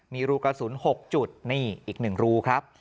มีรูกระสุน๖จุดนี่อีก๑รูครับ